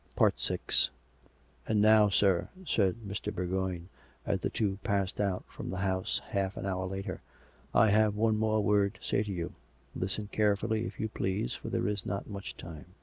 VI " And now, sir," said Mr. Bourgoign, as the two passed out from the house half an hour later, " I have one more word to say to you. Listen carefully, if you please, for there is not much time."